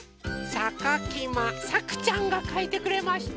さかきまさくちゃんがかいてくれました。